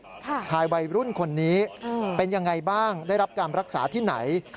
ชายวัยรุ่นคนนี้เป็นยังไงบ้างได้รับการรักษาที่ไหน